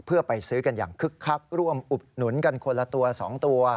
เพื่อไปซื้อกันอย่างคึกคักร่วมอุดหนุนกันคนละตัว๒ตัว